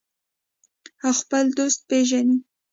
او خپل دوست پیژني.